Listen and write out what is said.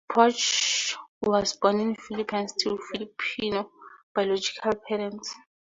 Poarch was born in the Philippines to Filipino biological parents.